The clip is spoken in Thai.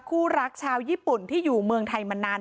คู่รักชาวญี่ปุ่นที่อยู่เมืองไทยมานาน